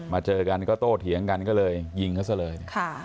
เจอกันก็โต้เถียงกันก็เลยยิงเขาซะเลย